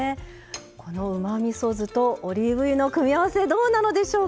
このうまみそ酢とオリーブ油の組み合わせどうなのでしょうか？